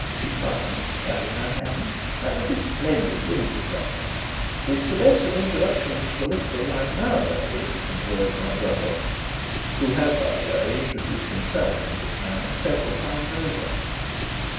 she cried, clapping her hands. "That would be splendid, wouldn't it, Robert?" "It's the best of introductions to political life nowadays," observed my brother, who has, by the way, introduced himself in this manner several times over.